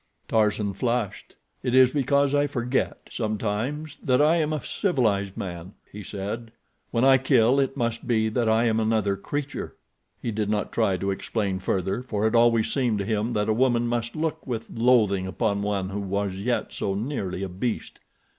Tarzan flushed. "It is because I forget," he said, "sometimes, that I am a civilized man. When I kill it must be that I am another creature." He did not try to explain further, for it always seemed to him that a woman must look with loathing upon one who was yet so nearly a beast.